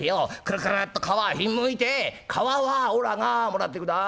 くるくるっと皮ひんむいて皮はおらがもらってくだ」。